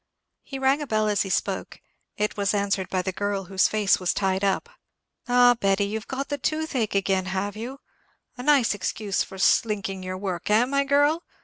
He rang a bell as he spoke. It was answered by the girl whose face was tied up. "Ah, Betty, you've got the toothache again, have you? A nice excuse for slinking your work, eh, my girl?